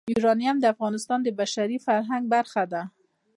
یورانیم د افغانستان د بشري فرهنګ برخه ده.